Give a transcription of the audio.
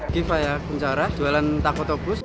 kiva ya penjara jualan takutobus